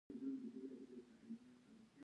خلک اوس د کور له لارې خپل بانکي حسابونه کنټرولوي.